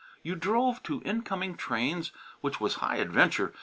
You drove to incoming trains, which was high adventure.